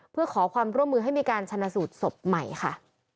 เพื่อขอความร่วมมือให้มีการชนะสูตรศพใหม่ค่ะ